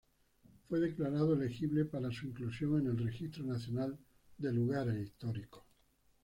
El fue declarado elegible para su inclusión en el Registro Nacional de Lugares Históricos.